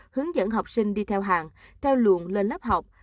hướng dẫn học sinh đi theo hàng theo luận lên lớp học